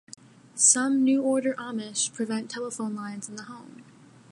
Some New Order Amish permit telephone lines in the home.